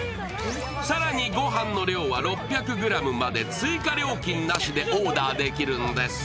更に、ごはんの量は６００ｇまで追加料金なしでオーダーできるんです。